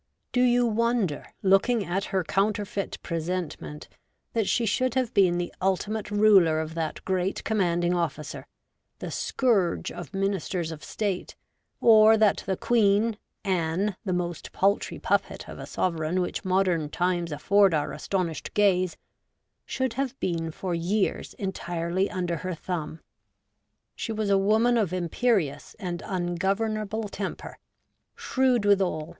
Do you wonder, looking at her counterfeit presentment, that she should have been the ultimate ruler of that great commanding officer ; the scourge of Ministers of State ; or that the Queen — Anne, the most paltry puppet of a sovereign which modern times afford our astonished gaze — should have been for years entirely under her thumb ? She was a woman of imperious and ungovernable temper, shrewd withal, 82 REVOLTED WOMAN.